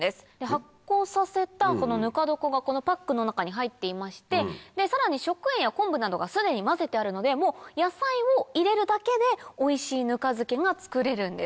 発酵させたぬか床がこのパックの中に入っていましてさらに食塩や昆布などがすでに混ぜてあるのでもう野菜を入れるだけでおいしいぬか漬けが作れるんです。